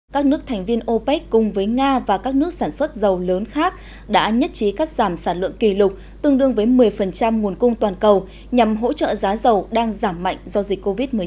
các nước thành viên opec cùng với nga và các nước sản xuất dầu lớn khác đã nhất trí cắt giảm sản lượng kỷ lục tương đương với một mươi nguồn cung toàn cầu nhằm hỗ trợ giá dầu đang giảm mạnh do dịch covid một mươi chín